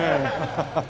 ハハハハ。